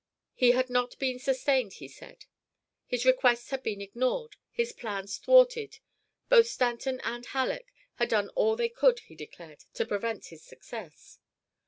He had not been sustained, he said. His requests had been ignored, his plans thwarted. Both Stanton and Halleck had done all they could, he declared, to prevent his success.